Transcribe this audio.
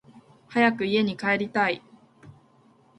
早く家に帰りたい